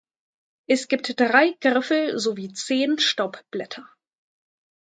Es gibt drei Griffel sowie zehn Staubblätter.